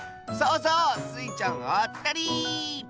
そうそう！スイちゃんあったり！